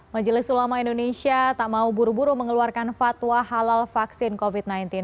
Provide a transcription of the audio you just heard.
majelis ulama indonesia tak mau buru buru mengeluarkan fatwa halal vaksin covid sembilan belas